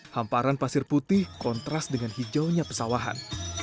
hamparan pasir putih kontras dengan hijaunya pesawahan